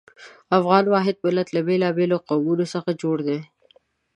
افغان واحد ملت له بېلابېلو قومونو څخه جوړ دی.